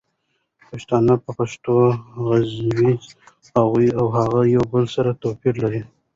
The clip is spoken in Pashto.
پښتانه په پښتو غږيږي هغوي او هغه يو بل سره توپير لري